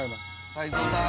泰造さん